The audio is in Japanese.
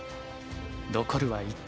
残るは１局。